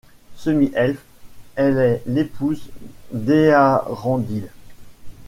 Semi-elfe, elle est l'épouse d'Eärendil.